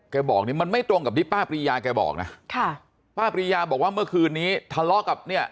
บอกนี่มันไม่ตรงกับที่ป้าปรียาแกบอกนะค่ะป้าปรียาบอกว่าเมื่อคืนนี้ทะเลาะกับเนี่ย